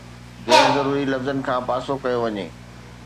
غير ضروري لفظن کان پاسو ڪيو وڃي.